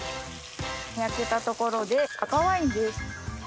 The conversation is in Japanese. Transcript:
焼けたところで赤ワインです。